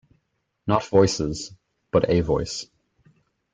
Not voices — but a voice.